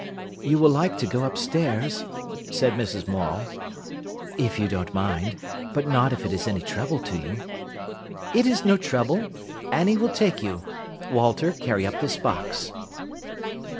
"You will like to go upstairs," said Mrs. Morel. "If you don't mind; but not if it is any trouble to you." "It is no trouble. Annie will take you. Walter, carry up this box."